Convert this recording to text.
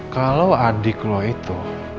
kalau adik lo itu